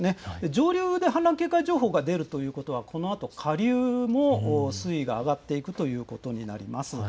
上流で氾濫危険情報が出るということはこのあと下流も水位が上がっていくということになります。